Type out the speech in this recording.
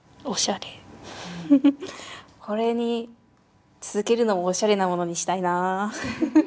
これに続けるのもおしゃれなものにしたいな。